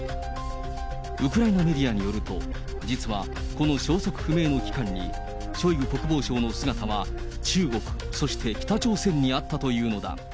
ウクライナメディアによると、実はこの消息不明の期間に、ショイグ国防相の姿は、中国、そして北朝鮮にあったというのだ。